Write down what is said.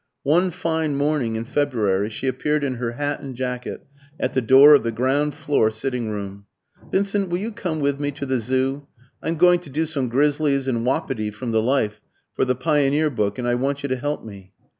One fine morning in February she appeared in her hat and jacket at the door of the ground floor sitting room. "Vincent, will you come with me to the Zoo? I'm going to do some grizzlies and wapiti from the life for the Pioneer book, and I want you to help me."